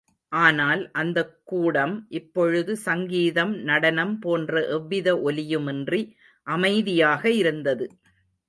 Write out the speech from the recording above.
ஆனால், அந்தக்கூடம் இப்பொழுது சங்கீதம் நடனம் போன்ற எவ்வித ஒலியுமின்றி அமைதியாக இருந்தது.